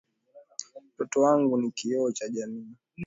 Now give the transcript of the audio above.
Mtoto wangu ni kioo cha jamii.